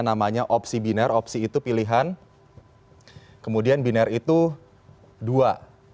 namanya opsi biner opsi itu pilihan kemudian binar itu dua